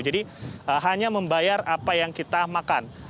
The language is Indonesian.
hanya membayar apa yang kita makan